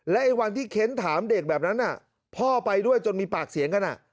ไอ้วันที่เค้นถามเด็กแบบนั้นพ่อไปด้วยจนมีปากเสียงกัน